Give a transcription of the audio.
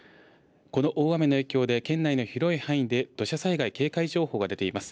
この大雨の影響で、県内の広い範囲で土砂災害警戒情報が出ています。